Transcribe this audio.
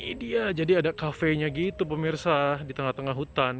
ini dia jadi ada kafenya gitu pemirsa di tengah tengah hutan